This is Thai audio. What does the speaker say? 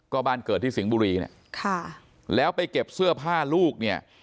ก็บ้านเกิดที่สิงห์บุรีแล้วไปเก็บเสื้อผ้าลูก